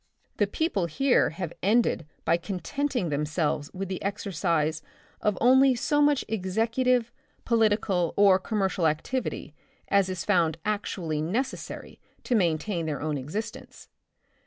The peo ple, here have ended by contenting themselves with the exercise of only so much executive, political or commercial activity as is found actually necessary to maintain their own exis tence.